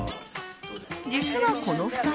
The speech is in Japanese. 実は、この２人。